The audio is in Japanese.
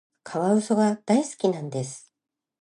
カワウソが大好きなんです。